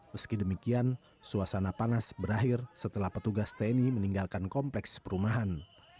meski demikian suasana panas berakhir setelah petugas tni meninggalkan kompleks perumahan